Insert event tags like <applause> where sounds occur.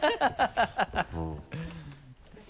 ハハハ <laughs>